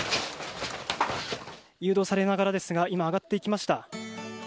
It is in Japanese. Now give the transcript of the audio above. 誘導されながらですが上がっていきました。